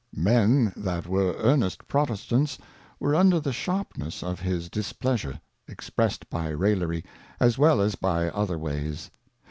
Men that were earnest Protestants were under the sharpness of his Displeasure, expressed by Rallery, as well as by other ways.